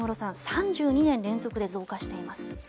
３２年連続で増加しています。